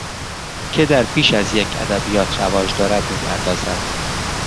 که در بیش از یک ادبیات رواج دارد می پردازد